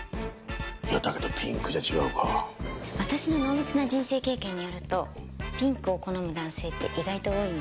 いやだけどピンクじゃ違うか。私の濃密な人生経験によるとピンクを好む男性って意外と多いんです。